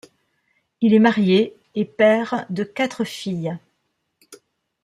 Il est marié et père de quatre filles.